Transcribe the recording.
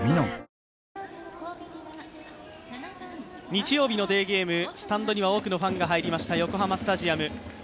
日曜日のデーゲーム、スタンドには多くのファンが入りました横浜スタジアム。